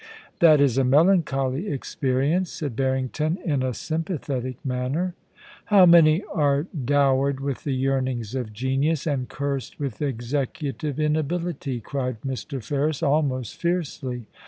* That is a melancholy experience,' said Harrington, in a sympathetic manner. ' How many are dowered with the yearnings of genius, and cursed with executive inability !' cried Mr. Ferris, almost fiercely.